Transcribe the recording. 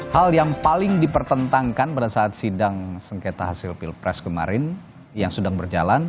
hal yang paling dipertentangkan pada saat sidang sengketa hasil pilpres kemarin yang sedang berjalan